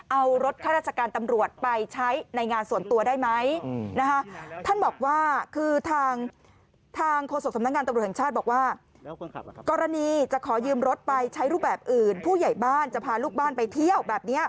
เอารถข้าราชการตำรวจไปใช้ในงานส่วนตัวได้ไหม